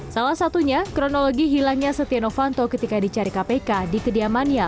salah satunya kronologi hilangnya setia novanto ketika dicari kpk di kediamannya